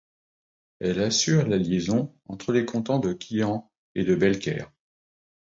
Elle assure la liaison entre les cantons de Quillan et de Belcaire.